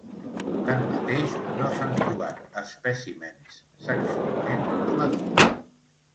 Tanmateix, no s'han trobat espècimens sexualment madurs.